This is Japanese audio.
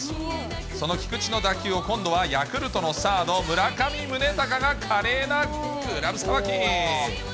その菊池の打球を今度はヤクルトのサード、村上宗隆が華麗なグラブさばき。